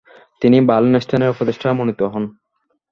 তিনি ভালেনস্টাইনের উপদেষ্টা মনোনীত হন।